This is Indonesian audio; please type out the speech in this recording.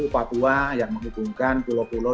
papua yang menghubungkan pulau pulau